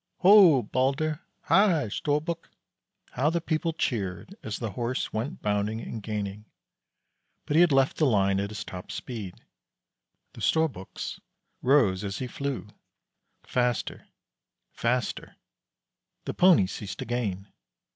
"Ho, Balder!" "Hi, Storbuk!" How the people cheered as the Horse went bounding and gaining! But he had left the line at his top speed; the Storbuk's rose as he flew faster faster. The Pony ceased to gain.